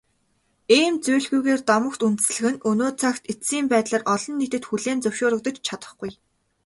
Ийм зүйлгүйгээр домогт үндэслэх нь өнөө цагт эцсийн байдлаар олон нийтэд хүлээн зөвшөөрөгдөж чадахгүй.